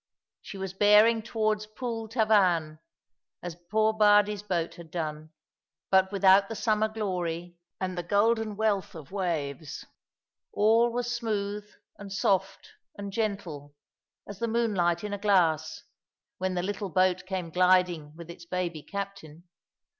She was bearing towards Pool Tavan, as poor Bardie's boat had done, but without the summer glory and the golden wealth of waves. All was smooth and soft and gentle, as the moonlight in a glass, when the little boat came gliding with its baby captain.